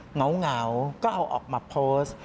เหงาก็เอาออกมาโพสต์